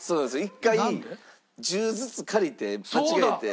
１回１０ずつ借りて間違えて。